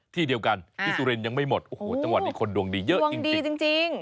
ที่เดียวกันที่สุรินทร์ยังไม่หมดโอ้โหจังหวัดนี้คนดวงดีเยอะจริงดีจริง